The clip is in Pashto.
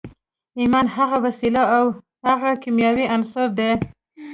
ایمان هغه وسیله او هغه کیمیاوي عنصر دی